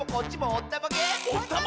おったまげ！